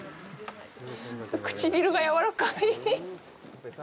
唇がやわらかい。